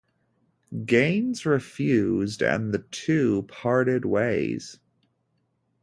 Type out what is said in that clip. Gaines refused, and the two parted ways.